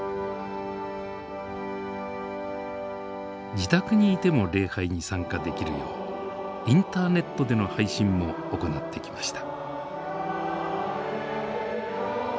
自宅にいても礼拝に参加できるようインターネットでの配信も行ってきました。